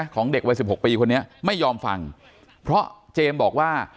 ของเด็กวัยสิบหกปีคนนี้ไม่ยอมฟังเพราะเจมส์บอกว่า